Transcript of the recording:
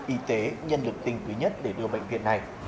y tế nhân lực tinh quý nhất để đưa bệnh viện này